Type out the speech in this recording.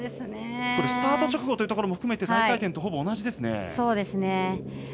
スタート直後というところも含めて、大回転とほぼ同じですね。